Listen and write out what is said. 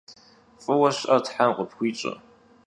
F'ıue şı'er them khıpxuiş'e!